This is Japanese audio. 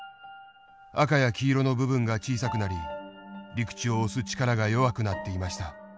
赤や黄色の部分が小さくなり陸地を押す力が弱くなっていました。